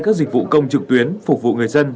các dịch vụ công trực tuyến phục vụ người dân